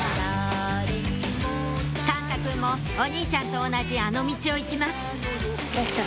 幹太くんもお兄ちゃんと同じあの道を行きます